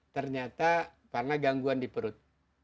ternyata karena gangguan di perut